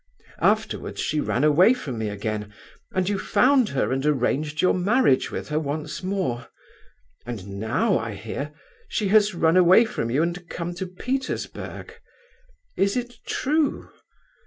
Afterwards she ran away from me again, and you found her and arranged your marriage with her once more; and now, I hear, she has run away from you and come to Petersburg. Is it true?